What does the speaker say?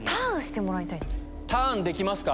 ターンできますか？